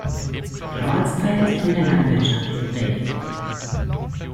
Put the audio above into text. Der Ortsteil ist von der Landwirtschaft geprägt.